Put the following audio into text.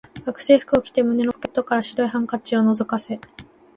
学生服を着て、胸のポケットから白いハンケチを覗かせ、